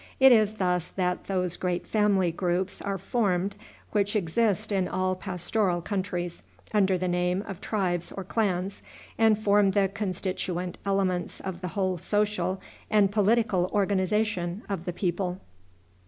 It is thus that those great family groups are formed which exist in all pastoral countries under the name of tribes or clans, and form the constituent elements of the whole social and political organization of the people.